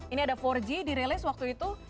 ini ada empat g dirilis waktu itu